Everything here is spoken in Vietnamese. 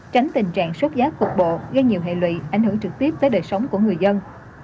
tránh tình trạng sốt giá cục bộ gây nhiều hệ lụy ảnh hưởng trực tiếp tới đời sống của người dân